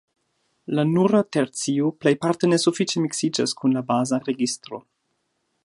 La nura tercio plejparte ne sufiĉe miksiĝas kun la baza registro.